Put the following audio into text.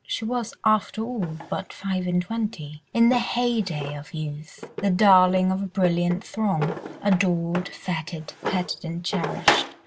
She was after all but five and twenty, in the heyday of youth, the darling of a brilliant throng, adored, fêted, petted, cherished.